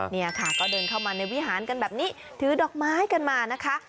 เนี่ยค่ะก็เดินเข้ามาในวิหารกันแบบนี้ถือดอกไม้กันมานะคะ